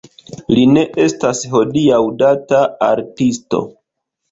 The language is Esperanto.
Li ne estas hodiaŭ-data artisto.